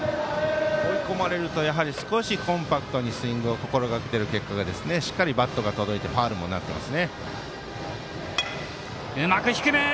追い込まれるとコンパクトにスイングを心がけている結果がバットが届いてファウルになっています。